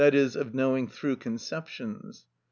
e._, of knowing through conceptions.